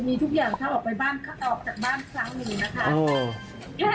มีทุกอย่างถ้าออกจากบ้านซ้ำอยู่นะคะ